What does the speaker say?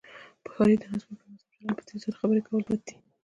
په ښاری ټرانسپورټ کې ناسم چلند، په تیزه خبرې کول بد کاردی